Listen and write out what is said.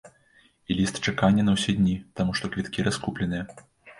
І ліст чакання на ўсе дні, таму што квіткі раскупленыя.